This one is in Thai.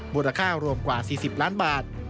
มูลค่ารวมกว่า๔๐ล้านบาท